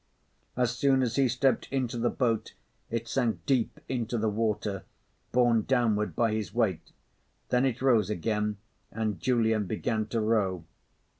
As soon as he stepped into the boat, it sank deep into the water, borne downward by his weight; then it rose again and Julian began to row.